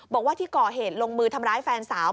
บอกว่าที่ก่อเหตุลงมือทำร้ายแฟนสาว